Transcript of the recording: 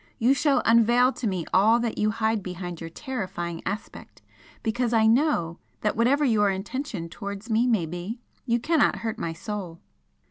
you shall unveil to me all that you hide behind your terrifying aspect, because I KNOW that whatever your intention towards me may be, you cannot hurt my Soul!"